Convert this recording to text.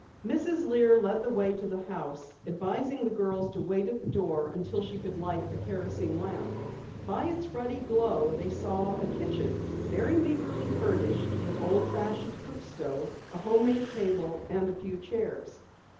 Mrs. Lear led the way to the house, advising the girls to wait at the door until she could light a kerosene lamp. By its ruddy glow they saw a kitchen, very meagerly furnished with old fashioned cook stove, a homemade table and a few chairs.